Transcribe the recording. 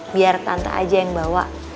biar tante aja yang bawa